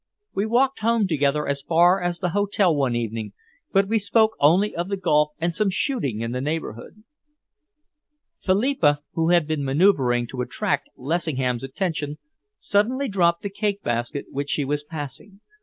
"We walked home together as far as the hotel one evening, but we spoke only of the golf and some shooting in the neighbourhood." Philippa, who had been maneuvering to attract Lessingham's attention, suddenly dropped the cake basket which she was passing.